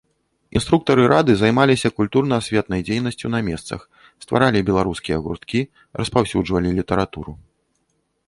Інструктары рады займаліся культурна-асветнай дзейнасцю на месцах, стваралі беларускія гурткі, распаўсюджвалі літаратуру.